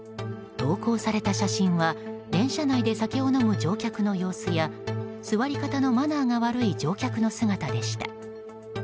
投稿された写真は電車内で酒を飲む乗客の様子や座り方のマナーが悪い乗客の姿でした。